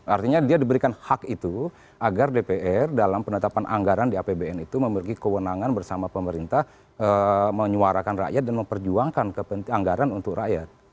artinya dia diberikan hak itu agar dpr dalam penetapan anggaran di apbn itu memiliki kewenangan bersama pemerintah menyuarakan rakyat dan memperjuangkan anggaran untuk rakyat